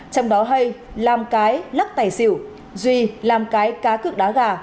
trong đó hay làm cái lắc tài xỉu duy làm cái cá cực đá gà